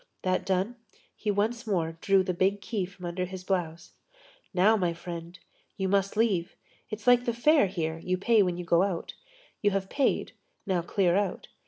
That done, he once more drew the big key from under his blouse. "Now, my friend, you must leave. It's like the fair here, you pay when you go out. You have paid, now clear out."